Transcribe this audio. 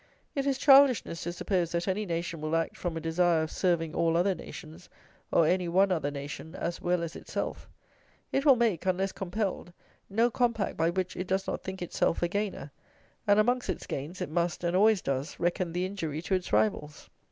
It is childishness to suppose that any nation will act from a desire of serving all other nations, or any one other nation, as well as itself. It will make, unless compelled, no compact by which it does not think itself a gainer; and amongst its gains it must, and always does, reckon the injury to its rivals.